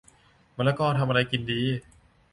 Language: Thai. มะละกอทำอะไรกินดี